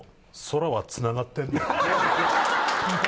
「空はつながってんねん」